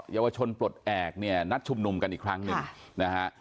เยาวชนปลดแอบเนี่ยนัดชุมนุมกันอีกครั้งหนึ่งนะฮะ